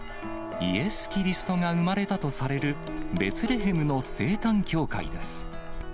イエス・キリストが生まれたとされるベツレヘムの聖誕教会です。